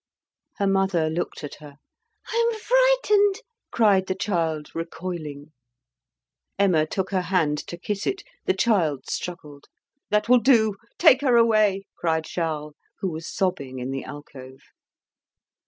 Her mother looked at her. "I am frightened!" cried the child, recoiling. Emma took her hand to kiss it; the child struggled. "That will do. Take her away," cried Charles, who was sobbing in the alcove.